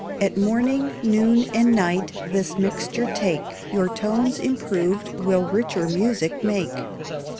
_ At morning, noon, and night this mixture take, Your tones, improved, will richer music make.